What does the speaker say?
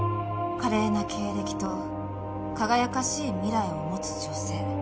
華麗な経歴と輝かしい未来を持つ女性。